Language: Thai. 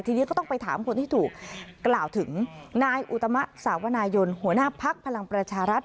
ทีนี้ก็ต้องไปถามคนที่ถูกกล่าวถึงนายอุตมะสาวนายนหัวหน้าพักพลังประชารัฐ